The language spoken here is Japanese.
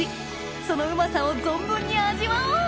そのうまさを存分に味わおう！